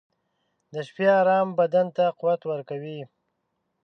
• د شپې ارام بدن ته قوت ورکوي.